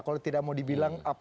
kalau tidak mau dibilang